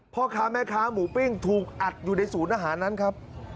พ่อค้าแม่ค้าหมูปิ้งถูกอัดอยู่ในศูนย์อาหารนั้นครับ